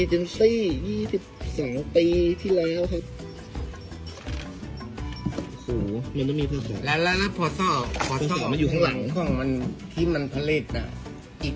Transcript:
ทำอย่างนั้นอย่างนั้นยังไม่ได้เลิก